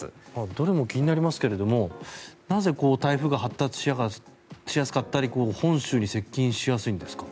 どれも気になりますがなぜ台風が発達しやすかったり本州に接近しやすいんですか？